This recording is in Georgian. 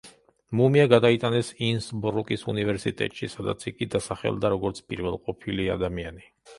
მუმია გადაიტანეს ინსბრუკის უნივერსიტეტში, სადაც იგი დასახელდა როგორც პირველყოფილი ადამიანი.